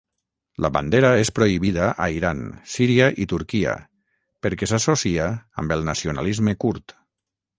La bandera és prohibida a Iran, Síria i Turquia perquè s'associa amb el nacionalisme kurd.